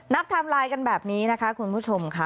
ไทม์ไลน์กันแบบนี้นะคะคุณผู้ชมค่ะ